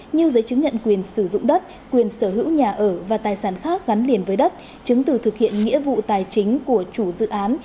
như giấy chứng nhận quyền sử dụng đất quyền sở hữu nhà ở và tài sản khác gắn liền với đất chứng từ thực hiện nghĩa vụ tài chính của chủ dự án